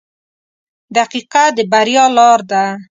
• دقیقه د بریا لار ده.